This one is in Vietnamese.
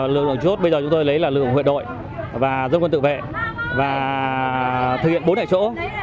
lực lượng chốt bây giờ chúng tôi lấy là lực lượng huyện đội và dân quân tự vệ và thực hiện bốn nảy chỗ